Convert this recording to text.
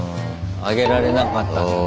あげられなかったんだね。